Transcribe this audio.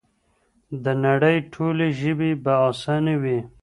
د نړۍ ټولې ژبې به اسانې وي؛